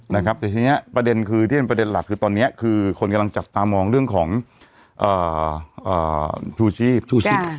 แต่ทีนี้ประเด็นคือที่เป็นประเด็นหลักคือตอนนี้คือคนกำลังจับตามองเรื่องของชูชีพชูชีพ